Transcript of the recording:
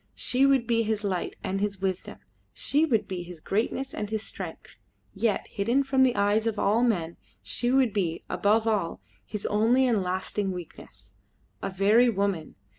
She would be his light and his wisdom; she would be his greatness and his strength; yet hidden from the eyes of all men she would be, above all, his only and lasting weakness. A very woman!